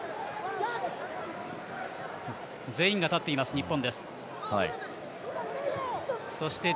全員が立っています、日本。